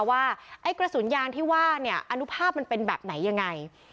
ว่าไอ้กระสุนยางที่ว่าเนี่ยอนุภาพมันเป็นแบบไหนยังไง